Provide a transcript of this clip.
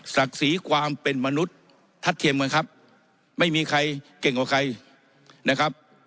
ศักดิ์ศรีความเป็นมนุษย์ทัดเทียมกันครับไม่มีใครเก่งกว่าใครนะครับ